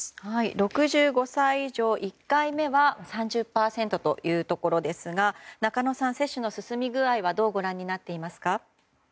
６５歳以上、１回目は３０％というところですが中野さん、接種の進み具合はどうご覧になっていますか？